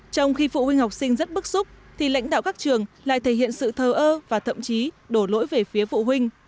trong khi phụ huynh học sinh rất bức xúc thì lãnh đạo các trường lại thể hiện sự thờ ơ và thậm chí đổ lỗi về phía phụ huynh